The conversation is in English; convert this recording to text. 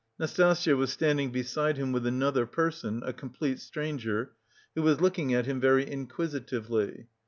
Nastasya was standing beside him with another person, a complete stranger, who was looking at him very inquisitively.